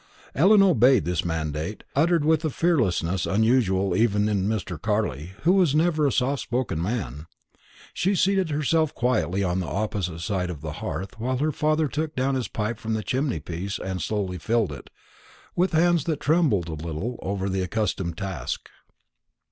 Ellen obeyed this mandate, uttered with a fierceness unusual even in Mr. Carley, who was never a soft spoken man. She seated herself quietly on the opposite side of the hearth, while her father took down his pipe from the chimney piece, and slowly filled it, with hands that trembled a little over the accustomed task.